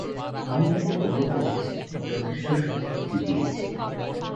আমি তাকে বড় করেছি ও যথেষ্ট সমৃদ্ধি দিয়েছি।